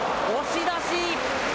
押し出し！